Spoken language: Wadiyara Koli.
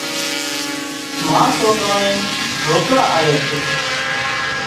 ما سوڪران نين روٽلا آلي سي